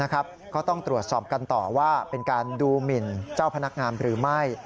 ก็ต้องตรวจสอบกันต่อว่าเป็นการดูหมินเจ้าพนักงานหรือไม่